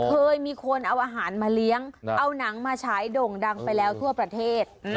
เคยมีคนเอาอาหารมาเลี้ยงเอาหนังมาฉายโด่งดังไปแล้วทั่วประเทศ